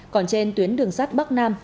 còn trên tuyến đường sát bắc nam